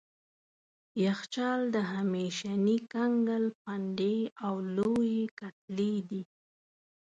یخچال د همیشني کنګل پنډې او لويې کتلې دي.